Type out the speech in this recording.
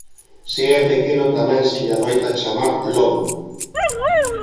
Se é pequeno tamén se lle adoita chamar lóbulo.